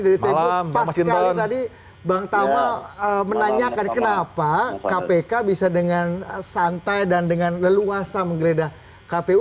pas sekali tadi bang tama menanyakan kenapa kpk bisa dengan santai dan dengan leluasa menggeledah kpu